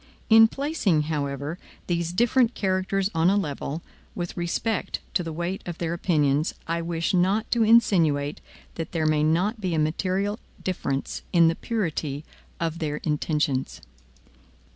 In placing, however, these different characters on a level, with respect to the weight of their opinions, I wish not to insinuate that there may not be a material difference in the purity of their intentions.